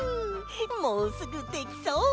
もうすぐできそう！